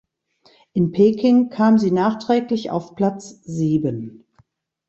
In Peking kam sie nachträglich auf Platz sieben.